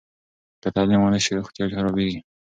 که تعلیم ونه سي، روغتیا خرابېږي.